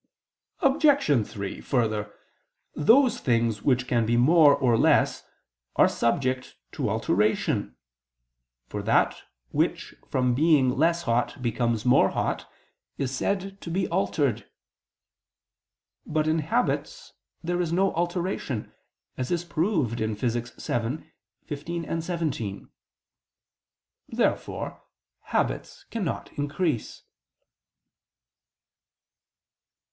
Obj. 3: Further, those things which can be more or less are subject to alteration: for that which from being less hot becomes more hot, is said to be altered. But in habits there is no alteration, as is proved in Phys. vii, text. 15, 17. Therefore habits cannot increase.